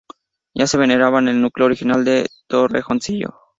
Ya se veneraba en el núcleo original de Torrejoncillo.